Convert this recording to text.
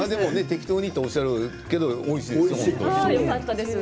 適当にとおっしゃるけどおいしい。